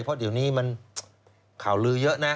เพราะเดี๋ยวนี้มันข่าวลือเยอะนะ